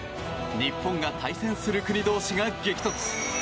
日本が対戦する国同士が激突。